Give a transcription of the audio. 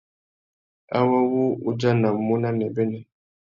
Awô wu udjanamú nà nêbênê.